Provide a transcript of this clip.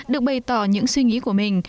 được bày tỏ những suy nghĩ của mình